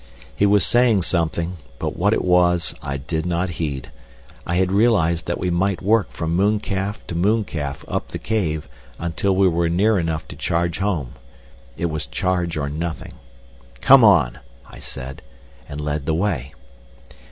He was saying something, but what it was I did not heed. I had realised that we might work from mooncalf to mooncalf up the cave until we were near enough to charge home. It was charge or nothing. "Come on!" I said, and led the way.